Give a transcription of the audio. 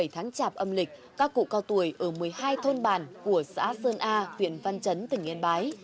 hai mươi bảy tháng chạp âm lịch các cụ cao tuổi ở một mươi hai thôn bản của xã sơn a huyện văn chấn tỉnh yên bái